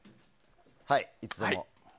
はい、いつでも。